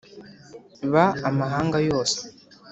ba amahanga yose